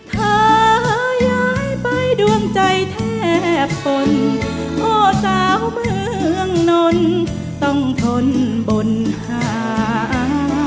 เธอย้ายไปดวงใจแทบฝนโอ้สาวเมืองนนต้องทนบนหา